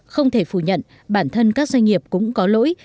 không thể phủ nhận bản thân các doanh nghiệp cũng có lỗi